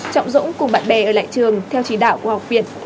trọng dũng cùng bạn bè ở lại trường theo chỉ đạo của học viện